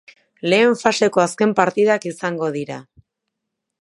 Lehen faseko azken partidak izango dira.